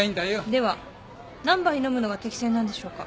では何杯飲むのが適正なんでしょうか？